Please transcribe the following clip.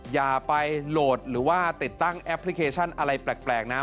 อย่าไปโหลดหรือว่าติดตั้งแอปพลิเคชันอะไรแปลกนะ